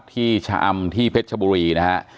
ที่ชะอำที่เพชรชบุรีนะฮะ